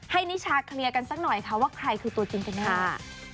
นิชาเคลียร์กันสักหน่อยค่ะว่าใครคือตัวจริงกันแน่